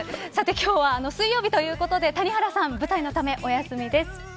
今日は水曜日ということで谷原さん舞台のためお休みです。